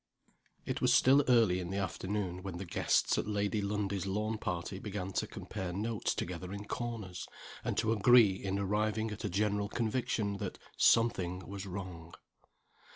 IT was still early in the afternoon when the guests at Lady Lundie's lawn party began to compare notes together in corners, and to agree in arriving at a general conviction that "some thing was wrong."